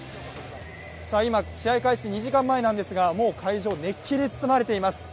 今、試合開始２時間前なんですが、もう会場、熱気に包まれています。